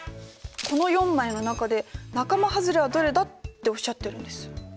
「この４枚の中で仲間はずれはどれだ？」っておっしゃってるんです。